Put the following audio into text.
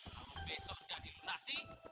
kalau besok ga dilunasi